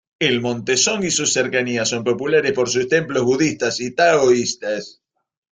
El monte Song y sus cercanías son populares por sus templos budistas y taoístas.